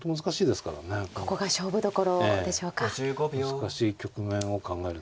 難しい局面を考えるのが。